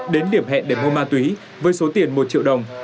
đến điểm hẹn để mua ma túy với số tiền một triệu đồng